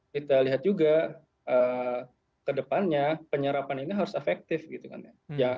kita lihat juga kedepannya penyerapan ini harus efektif gitu kan ya